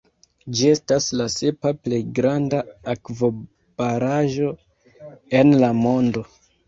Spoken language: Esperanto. Ĝi estas la sepa plej granda akvobaraĵo en la mondo.